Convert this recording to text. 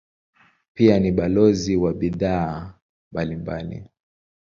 Pia ni balozi wa bidhaa mbalimbali.